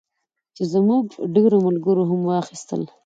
چې زموږ ډېرو ملګرو هم واخیستل.